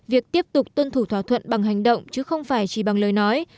việc tiếp tục tuân thủ thỏa thuận bằng hành động chứ không phải chỉ bằng lời nói